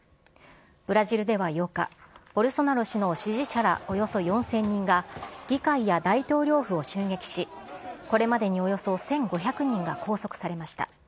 ブラジルでは８日、ボルソナロ氏の支持者らおよそ４０００人が、議会や大統領府を襲撃し、これまでにおよそ１５００人が拘束されました。